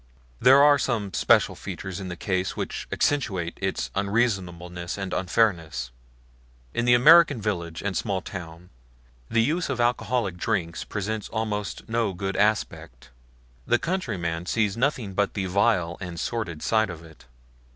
There are some special features in the case which accentuate its unreasonableness and unfairness. In the American village and small town, the use of alcoholic drinks presents almost no good aspect. The countryman sees nothing but the vile and sordid side of it.